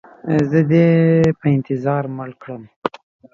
زه دې په انتظار مړ کړم.